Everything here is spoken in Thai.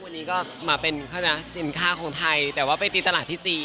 วันนี้ก็มาเป็นเขานะสินค้าของไทยแต่ว่าไปตีตลาดที่จีน